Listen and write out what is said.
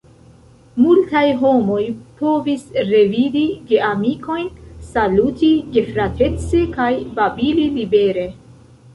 Multaj homoj povis revidi geamikojn, saluti gefratece, kaj babili libere.